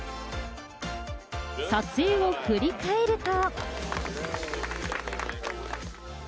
撮影を振り返ると。